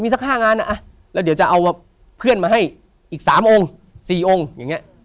สัก๕งานอ่ะแล้วเดี๋ยวจะเอาเพื่อนมาให้อีก๓องค์๔องค์อย่างนี้